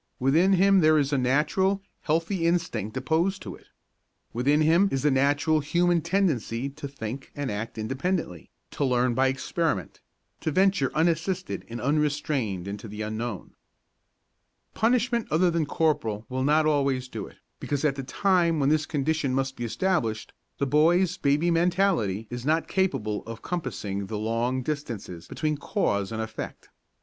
Within him there is a natural, healthy instinct opposed to it. Within him is the natural human tendency to think and act independently, to learn by experiment, to venture unassisted and unrestrained into the unknown. Punishment other than corporal will not always do it, because at the time when this condition must be established the boy's baby mentality is not capable of compassing the long distances between cause and effect.